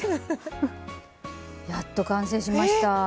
やっと完成しました。